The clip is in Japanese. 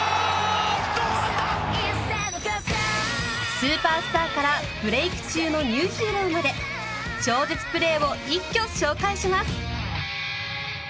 スーパースターからブレーク中のニューヒーローまで超絶プレーを一挙紹介します。